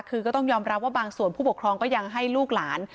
คือก็ต้องยอมรับว่าบางส่วนผู้ปกครองก็ยังให้ลูกหลาน